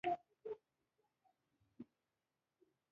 خان اباد سیند وریجې خړوبوي؟